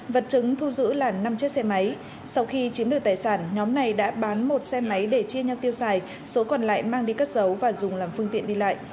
vật chứng thu giữ là năm chiếc xe máy sau khi chiếm được tài sản nhóm này đã bán một xe máy để chia nhau tiêu xài số còn lại mang đi cất giấu và dùng làm phương tiện đi lại